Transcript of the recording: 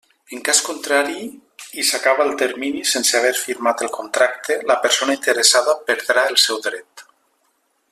En cas contrari i s'acaba el termini sense haver firmat el contracte, la persona interessada perdrà el seu dret.